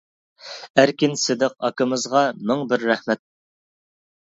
ئەركىن سىدىق ئاكىمىزغا مىڭ بىر رەھمەت.